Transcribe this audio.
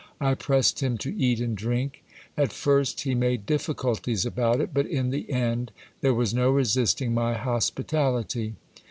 I pressed him to eat and drink. At first he made difficulties about it ; but in the end there was no resisting my hospitality.